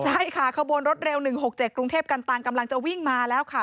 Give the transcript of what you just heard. ใช่ค่ะขบวนรถเร็ว๑๖๗กรุงเทพกันตังกำลังจะวิ่งมาแล้วค่ะ